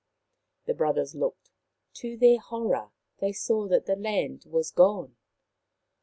The brothers looked. To their horror they saw that the land was gone.